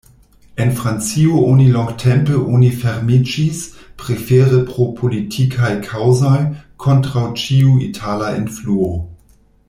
En Francio oni longtempe oni fermiĝis, prefere pro politikaj kaŭzoj, kontraŭ ĉiu itala influo.